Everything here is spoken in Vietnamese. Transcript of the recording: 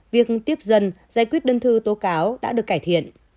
việc tiếp dân giải quyết đơn thư tố cáo đã được cải thiện